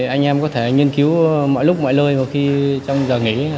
anh em có thể nghiên cứu mọi lúc mọi lời trong giờ nghỉ